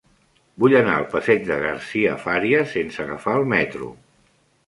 Vull anar al passeig de Garcia Fària sense agafar el metro.